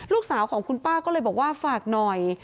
ลูกสาวของคุณป้าก็เลยบอกว่าฝากหน่อย